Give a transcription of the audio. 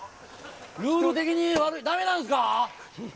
ルール的に駄目なんすか。